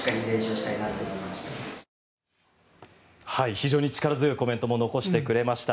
非常に力強いコメントも残してくれました。